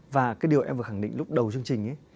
và cái điều em vừa khẳng định lúc đầu chương trình ấy